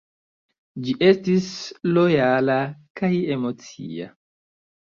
Ĝi estis lojala kai emocia.